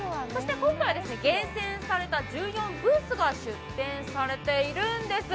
今回は厳選された１４ブースが出店されているんです。